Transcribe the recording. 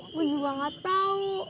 aku juga nggak tau